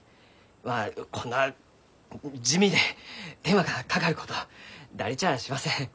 まあこんな地味で手間がかかること誰ちゃあしません。